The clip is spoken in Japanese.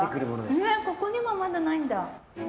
ここにもまだないんだ！